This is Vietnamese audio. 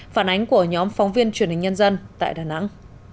phản ánh của nhóm phóng viên truyền hình nhân dân tại đà nẵng